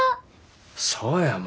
そうや舞。